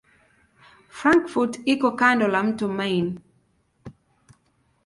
Frankfurt iko kando la mto Main.